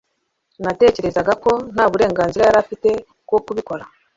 Natekerezaga ko nta burenganzira yari afite bwo kubikora